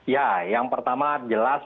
ya yang pertama jelas